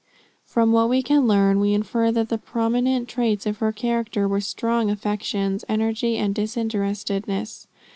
From what we can learn, we infer that the prominent traits in her character were strong affections, energy, and disinterestedness.